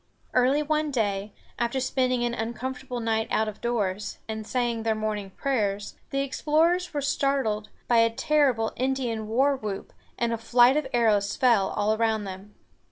Early one day, after spending an uncomfortable night out of doors, and saying their morning prayers, the explorers were startled by a terrible Indian war whoop, and a flight of arrows fell all around them.